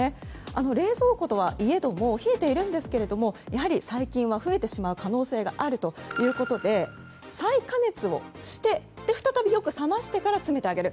冷蔵庫で冷えていますがやはり細菌は増えてしまう可能性があるということで再加熱をして、再びよく冷ましてから詰めてあげる。